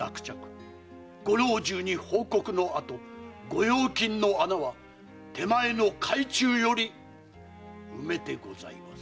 ご老中に報告のあと御用金の穴は手前の懐中より埋めてございます。